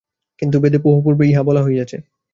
কিন্তু বেদে বহু পূর্বে ইহা বলা হইয়াছে।